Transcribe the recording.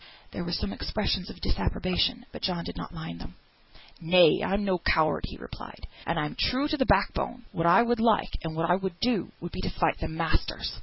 There were some expressions of disapprobation, but John did not mind them. "Nay! I'm no coward," he replied, "and I'm true to th' backbone. What I would like, and what I would do, would be to fight the masters.